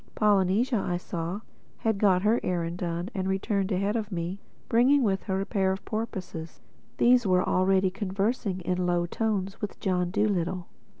Polynesia, I saw, had got her errand done and returned ahead of me, bringing with her a pair of porpoises. These were already conversing in low tones with John Dolittle.